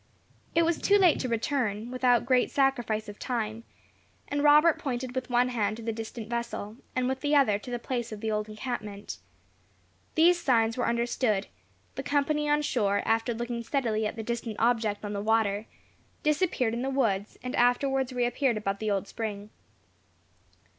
It was too late to return, without great sacrifice of time; and Robert pointed with one hand to the distant vessel, and with the other to the place of the old encampment. These signs were understood; the company on shore, after looking steadily at the distant object on the water, disappeared in the woods, and afterwards re appeared above the old spring.